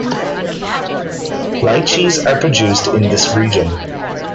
Litchis are produced in this region.